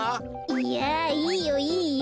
いやいいよいいよ。